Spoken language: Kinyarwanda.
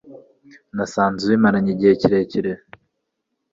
nasanze ubimaranye igihe kirekire.